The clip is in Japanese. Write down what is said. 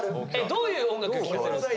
どういう音楽を聴かせるんですか？